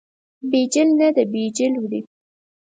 بیجل نه ده، بیجل وړي.